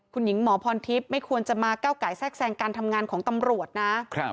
คุณหญิงหมอพรทิพย์ไม่ควรจะมาก้าวไก่แทรกแทรงการทำงานของตำรวจนะ